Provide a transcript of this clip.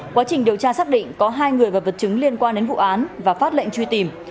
quá trình điều tra xác định có hai người và vật chứng liên quan đến vụ án và phát lệnh truy tìm